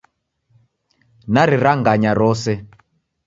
Nariranganya rose.